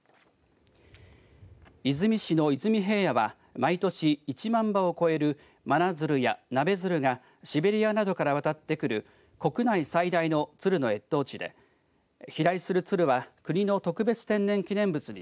出水市の出水平野は毎年１万羽を超えるマナヅルやナベヅルがシベリアなどから渡ってくる国内最大のツルの越冬地で飛来するツルは国の特別天然記念物に